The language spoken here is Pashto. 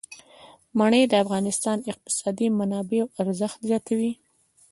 منی د افغانستان د اقتصادي منابعو ارزښت زیاتوي.